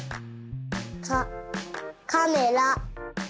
カカメラ。